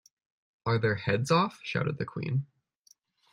‘Are their heads off?’ shouted the Queen.